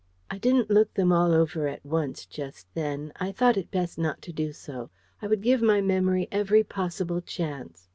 I didn't look them all over at once just then. I thought it best not to do so. I would give my memory every possible chance.